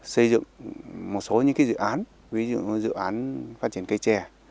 xây dựng một số những dự án ví dụ như dự án phát triển cây trè